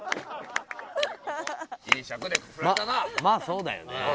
まあそうだよね。